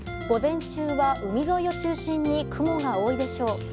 午前中は海沿いを中心に雲が多いでしょう。